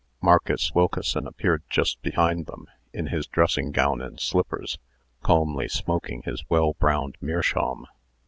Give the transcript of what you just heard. Marcus Wilkeson appeared just behind them, in his dressing gown and slippers, calmly smoking his well browned Meerschaum.